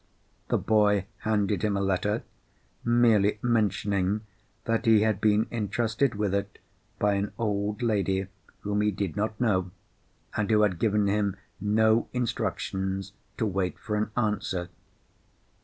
The boy handed him a letter, merely mentioning that he had been entrusted with it by an old lady whom he did not know, and who had given him no instructions to wait for an answer.